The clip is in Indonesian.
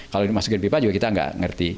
kalau dimasukkan ke pipa juga kita nggak ngerti